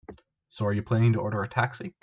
So, are you planning to order a taxi?